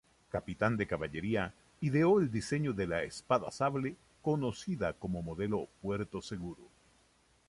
Capitán de caballería, ideó el diseño de la espada-sable conocida como modelo Puerto-Seguro.